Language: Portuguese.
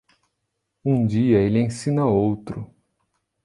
Um dia ele ensina outro.